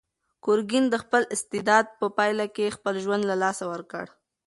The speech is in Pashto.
ګورګین د خپل استبداد په پایله کې خپل ژوند له لاسه ورکړ.